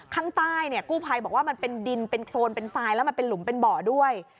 ข้างใต้เนี่ยกู้ภัยบอกว่ามันเป็นดินเป็นโครนเป็นทรายแล้วมันเป็นหลุมเป็นเบาะด้วย